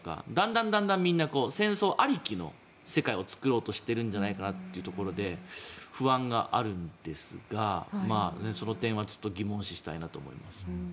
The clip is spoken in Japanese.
だんだんみんな戦争ありきの世界を作ろうとしているんじゃないかというところで不安があるんですがその点はちょっと疑問視したいなと思います。